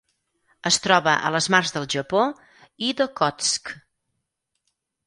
Es troba a les mars del Japó i d'Okhotsk.